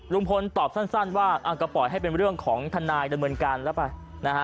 ลุงพลตอบสั้นว่าก็ปล่อยให้เป็นเรื่องของทนายดำเนินการแล้วไปนะฮะ